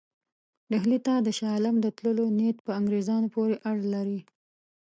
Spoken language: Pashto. ډهلي ته د شاه عالم د تللو نیت په انګرېزانو پورې اړه لري.